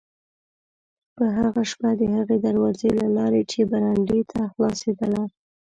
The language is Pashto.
په هغه شپه د هغې دروازې له لارې چې برنډې ته خلاصېدله.